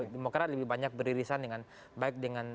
demokrasi yang lebih banyak beririsan dengan